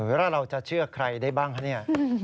แล้วเราจะเชื่อใครได้บ้างคะเนี่ย